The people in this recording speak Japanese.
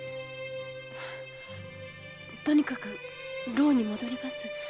とにかく牢に戻ります。